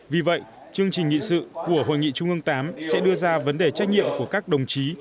vì vậy chương trình nghị sự của hội nghị trung ương viii sẽ đưa ra vấn đề trách nhiệm của các đồng chí